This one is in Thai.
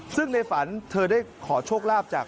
ซึ่งในฝันเธอได้ขอโชคลาภจาก